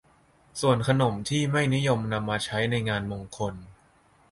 ส่วนขนมที่ไม่นิยมนำมาใช้ในงานมงคล